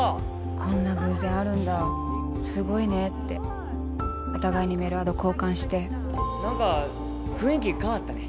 こんな偶然あるんだすごいねってお互いにメルアド交換して何か雰囲気変わったね